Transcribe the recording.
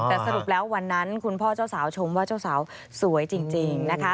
แต่สรุปแล้ววันนั้นคุณพ่อเจ้าสาวชมว่าเจ้าสาวสวยจริงนะคะ